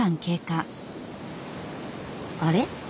あれ？